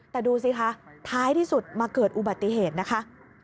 แต่ดูสิคะท้ายที่สุดมาเกิดอุบัติเหตุนะคะ